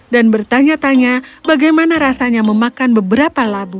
dan bertanya tanya bagaimana rasanya memakan beberapa labu